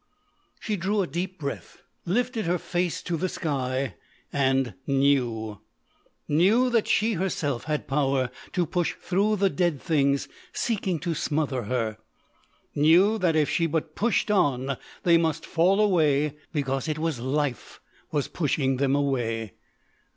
She drew a deep breath, lifted her face to the sky, and knew. Knew that she herself had power to push through the dead things seeking to smother her. Knew that if she but pushed on they must fall away because it was life was pushing them away.